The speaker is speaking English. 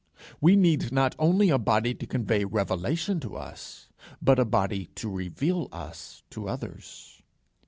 We need not only a body to convey revelation to us, but a body to reveal us to others.